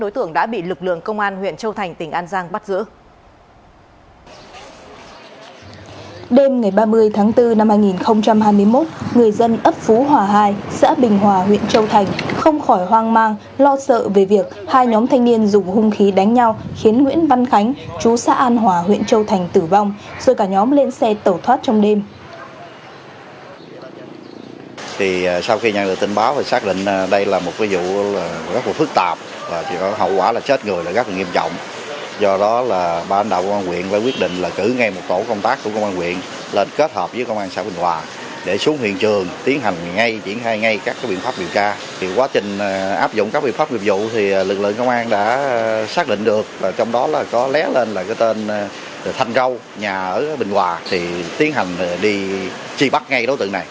trong đó có lé lên là cái tên thanh râu nhà ở bình hòa thì tiến hành đi tri bắt ngay đối tượng này